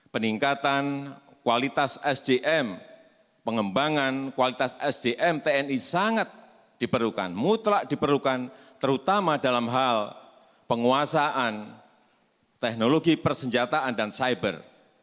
peningkatan kualitas sdm pengembangan kualitas sdm tni sangat diperlukan mutlak diperlukan terutama dalam hal penguasaan teknologi persenjataan dan cyber